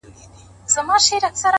له تر بور سره پخوا هډونه مات وه!.